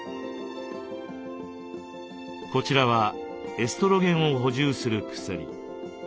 こちらはエストロゲンを補充する薬。